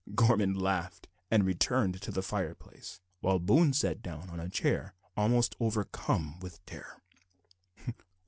Gorman laughed, and returned to the fireplace, while Boone sat down on a chair almost overcome with terror.